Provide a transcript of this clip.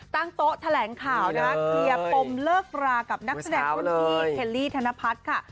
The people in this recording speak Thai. ตั้งโต๊ะแถลงข่าวนะคะเคลียร์ปมเลิกรากับนักแสดงรุ่นพี่เคลลี่ธนพัฒน์ค่ะ